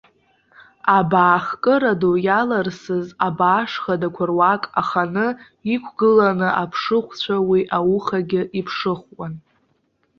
Абаахкыра ду иаларсыз абааш хадақәа руак аханы иқәгыланы аԥшыхәцәа уи аухагьы иԥшыхәуан.